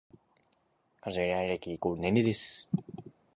彼女いない歴イコール年齢です